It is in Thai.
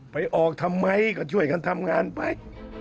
ไปออกทำไมก็ช่วยกันทำงานไป